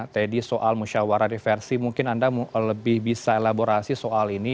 teddy soal musyawarah diversi mungkin anda lebih bisa elaborasi soal ini